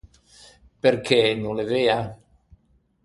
Perché, no l’é vea?